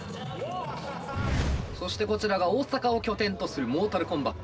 そしてこちらが大阪を拠点とするモータルコンバット。